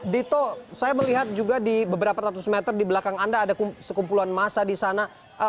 dito saya melihat juga di beberapa status meter di belakang anda ada sekumpulan massa